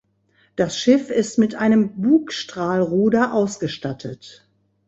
Das Schiff ist mit einem Bugstrahlruder ausgestattet.